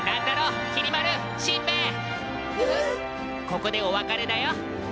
ここでお別れだよ。